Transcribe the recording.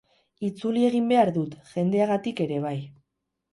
Itzuli egin behar dut, jendeagatik ere bai.